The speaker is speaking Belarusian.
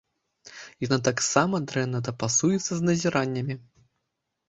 Яна таксама дрэнна дапасуецца з назіраннямі.